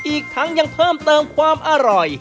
อีกทั้งยังเพิ่มเติมความอร่อย